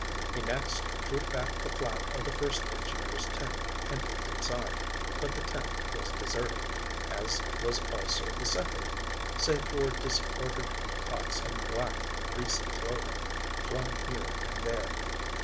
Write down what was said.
He next drew back the flap of the first engineer's tent, and peeped inside, but the tent was deserted, as was also the second, save for disordered cots and black, greasy clothing, flung here and there.